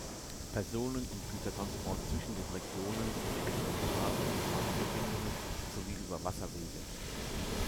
Personen- und Gütertransport zwischen den Regionen geschieht über Straßen- und Bahnverbindungen sowie über Wasserwege.